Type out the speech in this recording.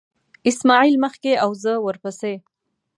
اسماعیل مخکې و او زه ورپسې.